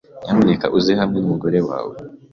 Nyamuneka uze hamwe n'umugore wawe.